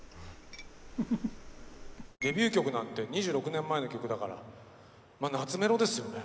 デビュー曲なんて２６年前の曲だからまあ懐メロですよね